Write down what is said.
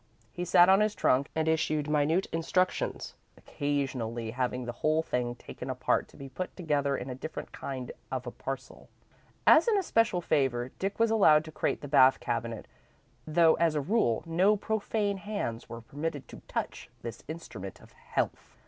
He sat on his trunk and issued minute instructions, occasionally having the whole thing taken apart to be put together in a different kind of a parcel. As an especial favour, Dick was allowed to crate the bath cabinet, though as a rule, no profane hands were permitted to touch this instrument of health.